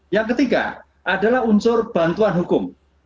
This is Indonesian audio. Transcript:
yang ketiga adalah unsur bantuan hukum